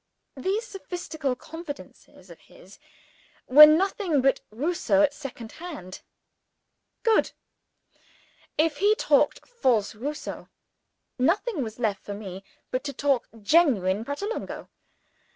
These sophistical confidences of his were nothing but Rousseau at second hand. Good! If he talked false Rousseau, nothing was left for me but to talk genuine Pratolungo.